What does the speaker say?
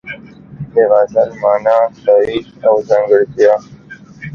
د غزل مانا، تاریخ او ځانګړتیا